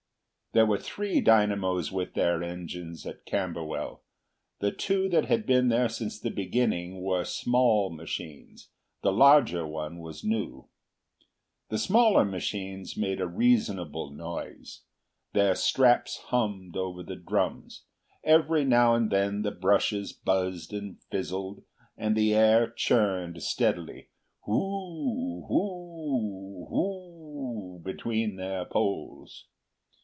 There were three dynamos with their engines at Camberwell. The two that had been there since the beginning were small machines; the larger one was new. The smaller machines made a reasonable noise; their straps hummed over the drums, every now and then the brushes buzzed and fizzled, and the air churned steadily, whoo! whoo! whoo! between their poles.